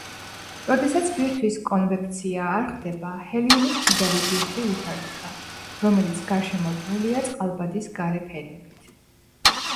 როდესაც ბირთვის კონვექცია არ ხდება, ჰელიუმით მდიდარი ბირთვი ვითარდება, რომელიც გარშემორტყმულია წყალბადის გარე ფენებით.